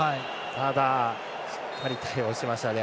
ただ、しっかり対応しましたね。